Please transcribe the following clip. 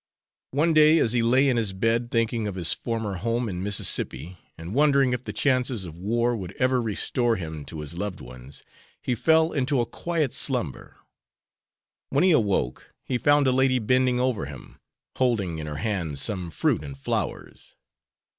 One day, as he lay in his bed, thinking of his former home in Mississippi and wondering if the chances of war would ever restore him to his loved ones, he fell into a quiet slumber. When he awoke he found a lady bending over him, holding in her hands some fruit and flowers.